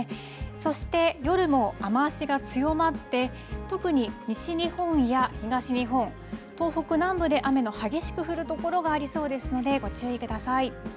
そして夜も雨足が強まって、特に西日本や東日本、東北南部で雨の激しく降る所がありそうですので、ご注意ください。